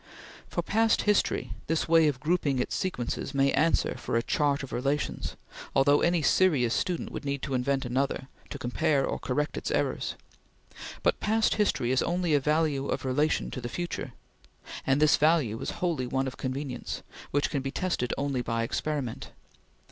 For past history, this way of grouping its sequences may answer for a chart of relations, although any serious student would need to invent another, to compare or correct its errors; but past history is only a value of relation to the future, and this value is wholly one of convenience, which can be tested only by experiment.